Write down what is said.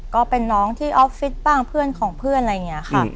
ก็เป็นน้องที่ออฟฟิศบ้างเพื่อนของเพื่อนอะไรอย่างนี้ค่ะ